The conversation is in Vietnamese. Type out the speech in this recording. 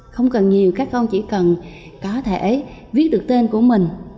không cần nhiều các con chỉ cần có thể viết được tên của mình